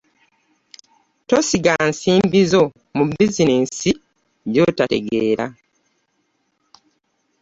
Tosiga nsimbi zo mu biizinensi gy’otategeera.